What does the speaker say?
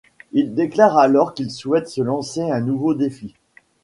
Il déclare alors qu'il souhaite se lancer un nouveau défi.